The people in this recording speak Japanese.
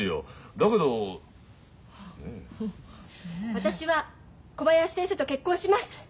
私は小林先生と結婚します。